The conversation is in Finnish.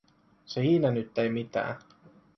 Siinä nyt ei mitään.